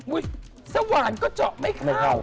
อุ้ยสวานก็เจาะไม่เข้า